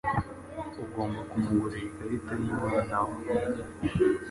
Ugomba kumugurira ikarita yimpano aho.